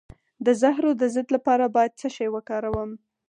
د زهرو د ضد لپاره باید څه شی وکاروم؟